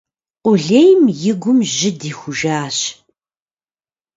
Къулейм и гум жьы дихужащ.